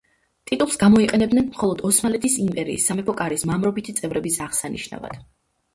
ტიტულს გამოიყენებდნენ მხოლოდ ოსმალეთის იმპერიის სამეფო კარის მამრობითი წევრების აღსანიშნავად.